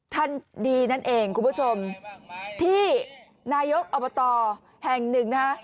ท่านดีนั่นเองคุณผู้ผู้ชมที่นายกอปตแห่ง๑นะ